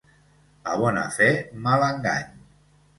A bona fe, mal engany.